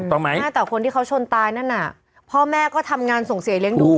ต้องไหมแต่คนที่เขาชนตายนั่นน่ะพ่อแม่ก็ทำงานส่งเสียเลี้ยงดู